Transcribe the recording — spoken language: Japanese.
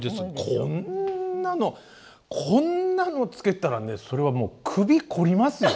こんなのこんなのつけたらねそれはもう首凝りますよ。